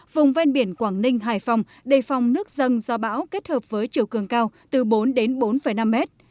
vùng ven biển quảng ninh hải phòng đề phòng nước dân do bão kết hợp với chiều cường cao từ bốn đến bốn năm mét